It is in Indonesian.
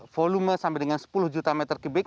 volume sampai dengan sepuluh juta meter kubik